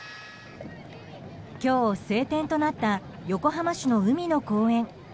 今日、晴天となった横浜市の海の公園。